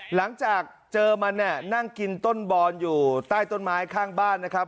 หลังจากเจอมันเนี่ยนั่งกินต้นบอนอยู่ใต้ต้นไม้ข้างบ้านนะครับ